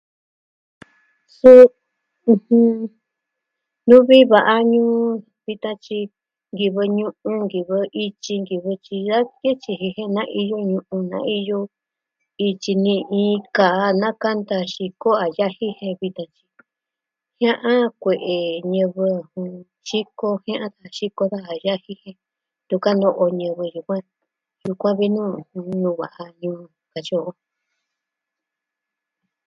Suu nuvi va'a ñuu, vitan tyi nkivɨ ñu'un, nkivɨ ityi ityi, nkivɨ tyi da kivɨ tyiji jen na iyo ñu'un, na iyo ityi ni iin, kaa nakanta xiko a yaji jen vitan, jia'an kue'e ñivɨ. Xiko jia'an ka xiko ka a yaji. Ntuvi ka no'o ñivɨ yukuan. Yukuan vi nuu va'a nuvi katyi o.